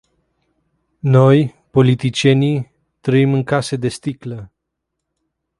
Noi, politicienii, trăim în case de sticlă.